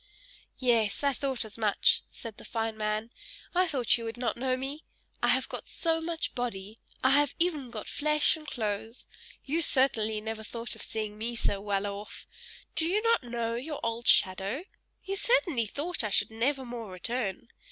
"Yes! I thought as much," said the fine man. "I thought you would not know me. I have got so much body. I have even got flesh and clothes. You certainly never thought of seeing me so well off. Do you not know your old shadow? You certainly thought I should never more return.